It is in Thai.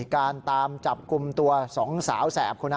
การตามจับกลุ่มตัว๒สาวแสบคนนั้น